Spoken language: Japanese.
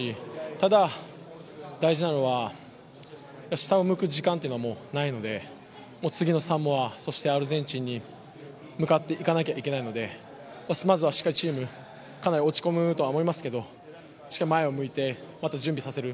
ただ、大事なのは下を向く時間はないので次のサモア、アルゼンチンに向かっていかないといけないのでまずはしっかりチームかなり落ち込むとは思いますがしっかり前を向いてまた準備させる。